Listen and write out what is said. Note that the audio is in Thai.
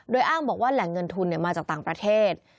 โดยอ้างบอกว่าแหล่งเงินทุนมาจากต่างประเทศ